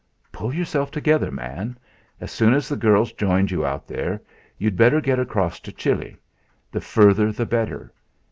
Pull yourself together, man. As soon as the girl's joined you out there, you'd better get across to Chile, the further the better.